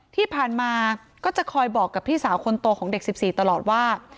ที่ผ่านมาก็จะคอยบอกกับพี่สาวคนโตของเด็ก๑๔ตลอดว่า